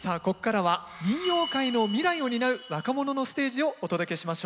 ここからは民謡界の未来を担う若者のステージをお届けしましょう。